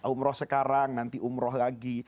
umrah sekarang nanti umrah lagi